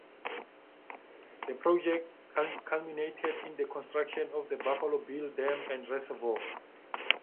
The project culminated in the construction of the Buffalo Bill Dam and reservoir.